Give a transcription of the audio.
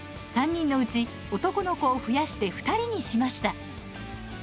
３人のうち、男の子を増やして２人にしました。